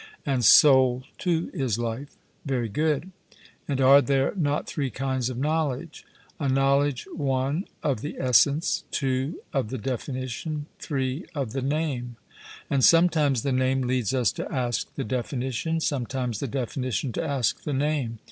And soul too is life? 'Very good.' And are there not three kinds of knowledge a knowledge (1) of the essence, (2) of the definition, (3) of the name? And sometimes the name leads us to ask the definition, sometimes the definition to ask the name.